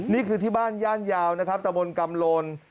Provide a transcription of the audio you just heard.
นี่คือที่บ้านย่านยาวนะครับตะบนกำโลน